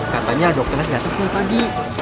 katanya dokternya ternyata selesai pagi